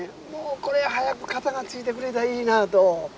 これは早く片がついてくれたらいいなと。